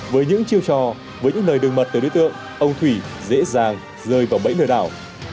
với những chiêu trò với những lời đừng mật từ đối tượng ông thủy dễ dàng rơi vào bẫy lừa đảo